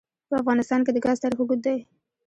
په افغانستان کې د ګاز تاریخ اوږد دی.